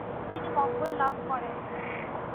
তিনি মঙ্গল লাভ করেন।